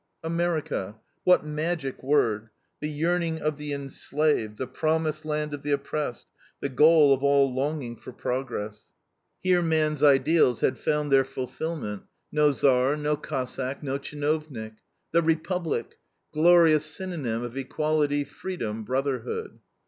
America! What magic word. The yearning of the enslaved, the promised land of the oppressed, the goal of all longing for progress. Here man's ideals had found their fulfillment: no Tsar, no Cossack, no CHINOVNIK. The Republic! Glorious synonym of equality, freedom, brotherhood.